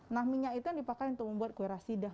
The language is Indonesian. nah minyak itu yang dipakai untuk membuat kue rasidah